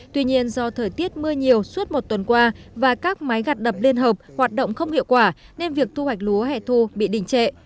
tuy nhiên do thời tiết mưa nhiều suốt một tuần qua và các máy gặt đập liên hợp hoạt động không hiệu quả nên việc thu hoạch lúa hẻ thu bị đình trệ